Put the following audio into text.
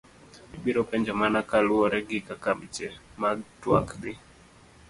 Ibiro penjo mana kaluwore gi kaka weche mag tuak dhi.